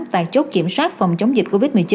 tại chốt kiểm soát phòng chống dịch covid một mươi chín